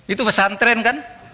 itu pesantren kan